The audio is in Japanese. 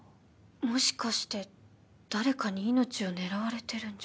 もしかして誰かに命を狙われてるんじゃ。